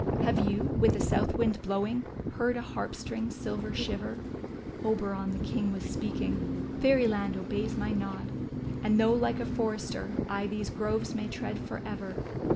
'' Have you, with a south wind blowing, heard a harp. string's silver shiver ? Oberon, the king, was speaking: '^Fairy land obeys my nod. And, though like a forester I these groves may tread forever.